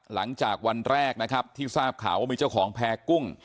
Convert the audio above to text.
หลังจากวันแรกนะครับที่ทราบข่าวว่ามีเจ้าของแพร่กุ้ง